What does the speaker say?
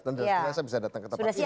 tentu saja bisa datang ke tempat ini